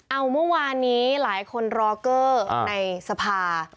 เอาเมื่อวานนี้หลายคนรอเกอร์ในสภา